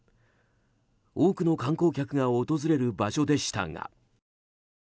多くの観光客が訪れる場所でしたが。